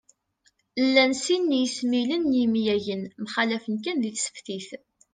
Llan sin n yesmilen n yemyagen, mxallafen kan di tseftit